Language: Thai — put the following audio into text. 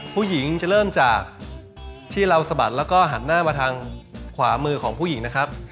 ผู้หญิงจะเริ่มจากที่เราสะบัดแล้วก็หันหน้ามาทางขวามือของผู้หญิงนะครับ